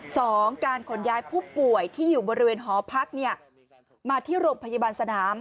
สองการขนย้ายผู้ป่วยที่อยู่บริเวณหอพักเนี่ยมาที่โรงพยาบาลสนาม